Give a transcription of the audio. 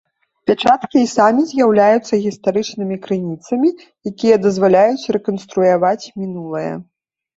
Пячаткі і самі з'яўляюцца гістарычнымі крыніцамі, якія дазваляюць рэканструяваць мінулае.